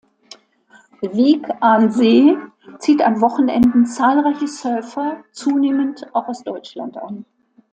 Wijk aan Zee zieht an Wochenenden zahlreiche Surfer, zunehmend auch aus Deutschland an.